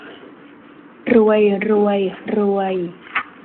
รวย รวย รวย